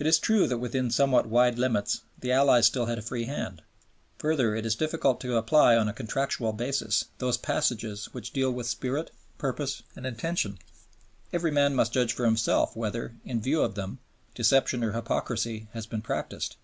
It is true that within somewhat wide limits the Allies still had a free hand. Further, it is difficult to apply on a contractual basis those passages which deal with spirit, purpose, and intention; every man must judge for himself whether, in view of them, deception or hypocrisy has been practised.